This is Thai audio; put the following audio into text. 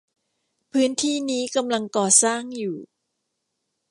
พื้นที่นี้กำลังก่อสร้างอยู่